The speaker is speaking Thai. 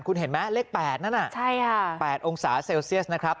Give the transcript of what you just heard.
คุณเห็นไหมเลข๘นั่น๘องศาเซลเซียสนะครับ